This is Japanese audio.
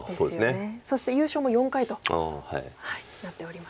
そして優勝も４回となっております。